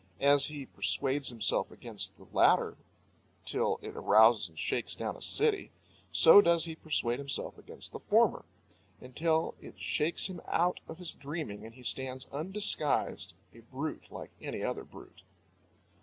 As he persuades himself against the latter till it arouses and shakes down a city, so does he persuade himself against the former until it shakes him out of his dreaming and he stands undisguised, a brute like any other brute.